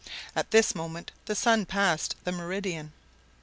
At this moment the sun passed the meridian.